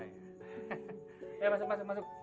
ya masuk masuk masuk